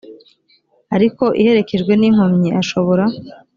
ariko iherekejwe n inkomyi ashobora